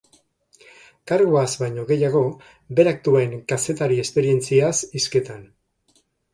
Karguaz baino gehiago, berak duen kazetari esperientziaz hizketan.